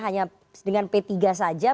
hanya dengan p tiga saja